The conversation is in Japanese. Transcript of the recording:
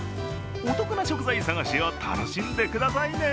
お得な食材探しを楽しんでくださいね。